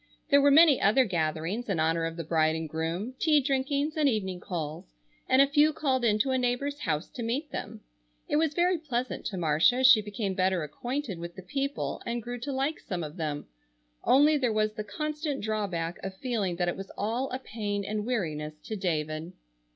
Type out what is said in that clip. There were many other gatherings in honor of the bride and groom, tea drinkings and evening calls, and a few called in to a neighbor's house to meet them. It was very pleasant to Marcia as she became better acquainted with the people and grew to like some of them, only there was the constant drawback of feeling that it was all a pain and weariness to David.